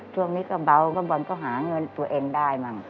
ช่วงนี้ก็เบาก็บอลก็หาเงินตัวเองได้มั่ง